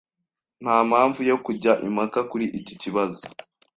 Nta mpamvu yo kujya impaka kuri iki kibazo.